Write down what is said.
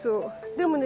でもね